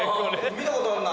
見たことあんな。